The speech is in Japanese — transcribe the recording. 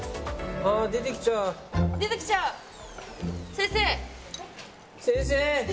先生！